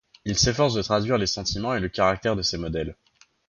Il s'efforce de traduire les sentiments et le caractère de ses modèles.